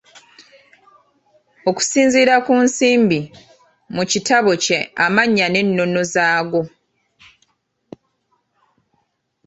Okusinziira ku Nsimbi, mu kitabo kye amannya n'ennono zaago.